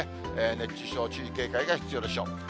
熱中症に注意、警戒が必要でしょう。